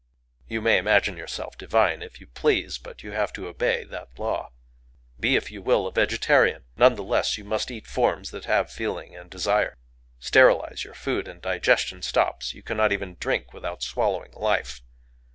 You may imagine yourself divine if you please,—but you have to obey that law. Be, if you will, a vegetarian: none the less you must eat forms that have feeling and desire. Sterilize your food; and digestion stops. You cannot even drink without swallowing life.